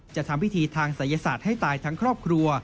จะทำพิธีทางศัยศาสตร์ให้ตายทั้งครอบครัว